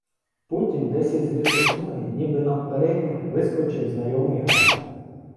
Потім десь із лісосмуги, ніби навперейми, вискочив знайомий газик.